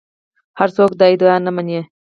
هر څوک دا ادعا نه مني